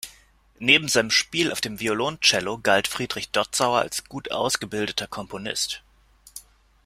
Neben seinem Spiel auf dem Violoncello galt Friedrich Dotzauer als gut ausgebildeter Komponist.